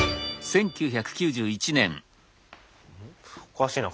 おかしいな？